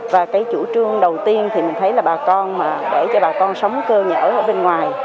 và cái chủ trương đầu tiên thì mình thấy là bà con mà để cho bà con sống cơ nhở ở bên ngoài